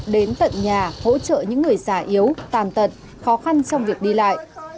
đến tận nhà hỗ trợ những người già yếu tàn tật khó khăn trong việc đi lại